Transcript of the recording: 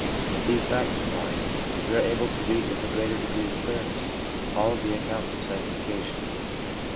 With these facts in mind, we are able to read with a greater degree of clearness all of the accounts of sanctification.